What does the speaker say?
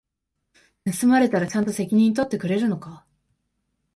盗まれたらちゃんと責任取ってくれるのか？